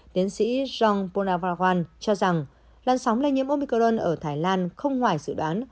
tiến sĩ john bonavaguan cho rằng lan sóng lây nhiễm omicron ở thái lan không ngoài dự đoán